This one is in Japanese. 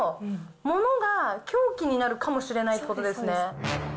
物が凶器になるかもしれないってそうです、そうです。